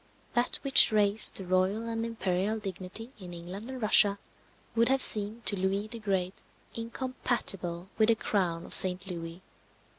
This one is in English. That which raised the royal and imperial dignity in England and Russia would have seemed to Louis the Great incompatible with the crown of St. Louis.